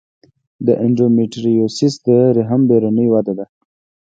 د انډومیټریوسس د رحم بیروني وده ده.